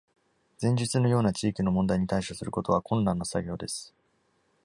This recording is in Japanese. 前述のような地域の問題に対処することは困難な作業です。